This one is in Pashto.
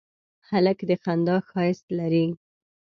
هلک د خندا ښایست لري.